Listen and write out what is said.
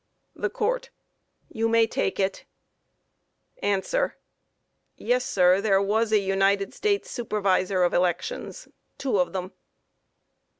THE COURT: You may take it. A. Yes, sir; there was a United States Supervisor of Elections, two of them.